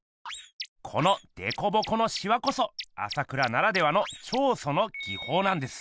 このでこぼこのしわこそ朝倉ならではの「彫塑」の技法なんです。